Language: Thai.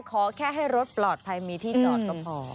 ขอแค่ให้รถปลอดภัยมีที่จอดก็พอ